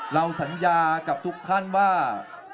เราสัญญากับทุกท่านว่า